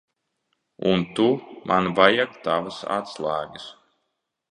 Un tu. Man vajag tavas atslēgas.